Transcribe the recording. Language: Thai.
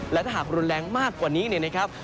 และถ้าหากรุนแรงมากกว่านี้เนี่ยนะครับ